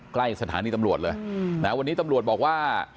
ใกล้สถานีตำรวจเลยนะวันนี้ตำรวจบอกว่า